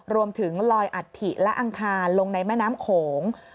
ลอยอัฐิและอังคารลงในแม่น้ำโขง